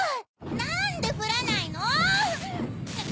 なんでふらないの！